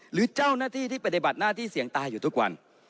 หรือเจ้าหน้าที่ที่ปฏิบัติหน้าที่เสี่ยงตายอยู่ทุกวัน